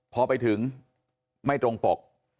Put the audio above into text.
พอไปถึงไม่ตรงปก